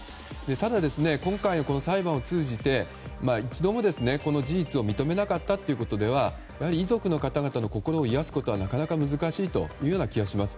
ただ今回、この裁判を通じて一度も、この事実を認めなかったということでは遺族の方々の心を癒やすことはなかなか難しいという気はします。